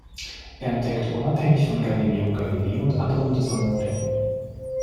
Er entdeckte unabhängig von Galileo Galilei und anderen die Sonnenflecken.